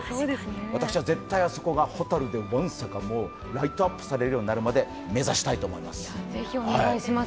私は絶対、あそこがホタルでわんさかライトアップされるようになるまでぜひお願いいたします。